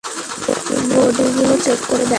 Body গুলো check করে দেখো!